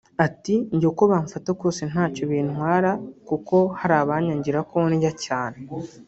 Ati “ Njye uko bamfata kose ntacyo bintwara kuko hari abanyangira ko ndya cyane